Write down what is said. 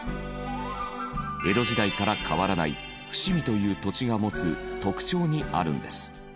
江戸時代から変わらない伏見という土地が持つ特徴にあるんです。